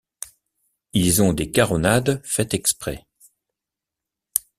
Ils ont des caronades faites exprès.